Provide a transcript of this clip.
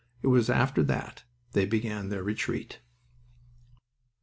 It was after that they began their retreat.